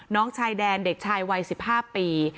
น้องชายแดนเด็กชายวัย๑๕ปี